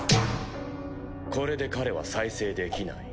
これで彼は再生できない。